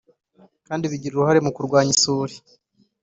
kandi bigira uruhare mu kurwanya isuri